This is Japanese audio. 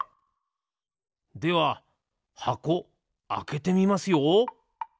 では箱あけてみますよ！